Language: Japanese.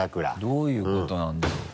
どういうことなんだろう？